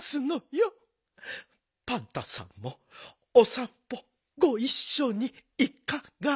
パンタさんもおさんぽごいっしょにいかが？